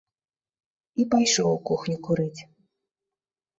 І пайшоў у кухню курыць.